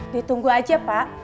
ditunggu aja pak